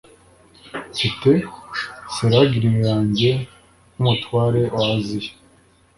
Mfite seraglio yanjye nkumutware wa Aziya